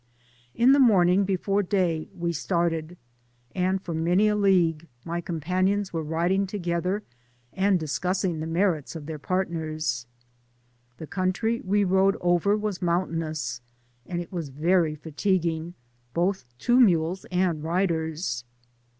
In the morning, before day, we started^ and for many a league my companions were riding toge ther, and discussing the merits of their partners. The country we rode over was mountainous, and it was very fatiguing both to mules and riders.